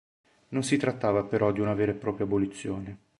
Non si trattava però di una vera e propria abolizione.